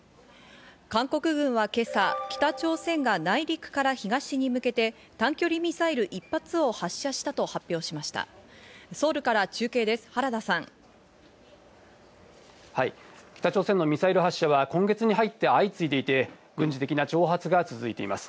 韓国軍は今朝、北朝鮮が内陸から東に向けて短距離ミサイル１発を発射したと発表しました。